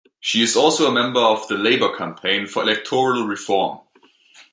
She is also a member of the Labour Campaign for Electoral Reform.